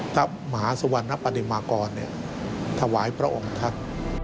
ทัพมหาสวรรค์นับปฏิมากรเนี่ยถวายพระองค์ทัศน์